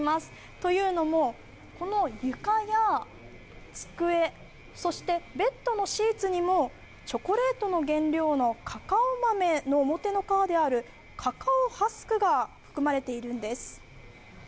というのも、この床や机そして、ベッドのシーツにもチョコレートの原料のカカオ豆の表の皮であるカカオハスクが含まれているんです。